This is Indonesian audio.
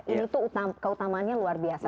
ini tuh keutamanya luar biasa